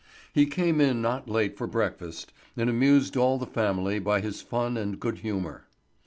He came in not late for breakfast, and amused all the family by his fun and good humour.